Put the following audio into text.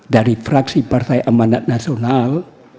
dari fraksi partai amanat nasional